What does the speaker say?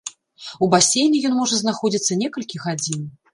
У басейне ён можа знаходзіцца некалькі гадзін.